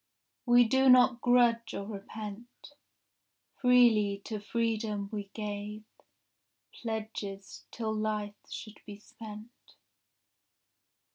We do not grudge or repent. Freely to freedom we gave Pledges, till life should be spent.